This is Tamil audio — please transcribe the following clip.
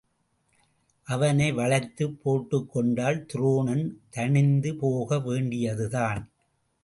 அவனை வளைத்துப் போட்டுக்கொண்டால் துரோணன் தணிந்துபோக வேண்டியதுதான்.